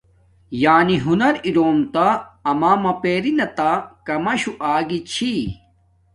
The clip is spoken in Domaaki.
یانی ہنز اروم تہ ما پریناتہ کاماشوہ آگی چھی